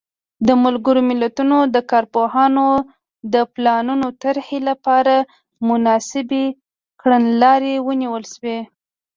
د ملګرو ملتونو د کارپوهانو د پلانونو طرحې لپاره مناسبې کړنلارې ونیول شوې.